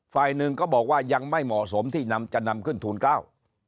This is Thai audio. ฝ่ายหนึ่งก็บอกว่ายังไม่เหมาะสมที่นำจะนำขึ้นทูลเกล้า